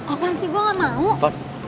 apaan sih gua gamau